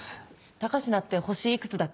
高階って星いくつだっけ？